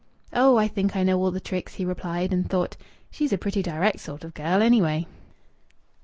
"Oh! I think I know all the tricks," he replied, and thought, "She's a pretty direct sort of girl, anyway!"